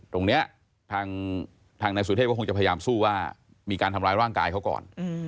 ตรงนี้ทางนายสุเทพก็คงจะพยายามสู้ว่ามีการทำร้ายร่างกายเขาก่อน